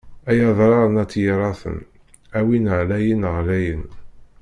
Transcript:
Ay adrar n at Yiraten, a win ɛlayen ɣlayen.